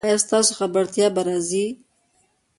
ایا ستاسو خبرتیا به راځي؟